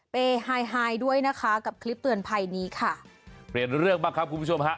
ไฮไฮด้วยนะคะกับคลิปเตือนภัยนี้ค่ะเปลี่ยนเรื่องบ้างครับคุณผู้ชมฮะ